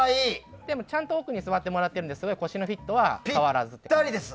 でもちゃんと奥に座ってもらってるんですごい腰のフィットは変わらずです。